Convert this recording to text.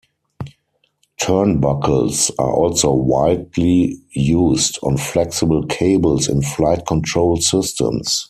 Turnbuckles are also widely used on flexible cables in flight control systems.